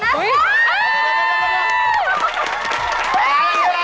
สุดยอดเลย